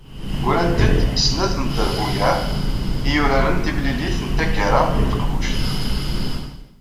Ggrant-d, snat n trebbuyaɛ i yuraren timlilit n taggara n teqbuct.